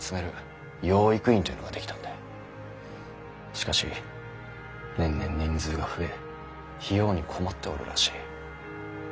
しかし年々人数が増え費用に困っておるらしい。